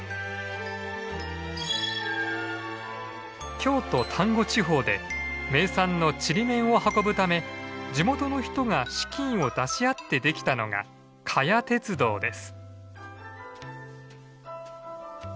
京都丹後地方で名産のちりめんを運ぶため地元の人が資金を出し合ってできたのが加悦鉄道です。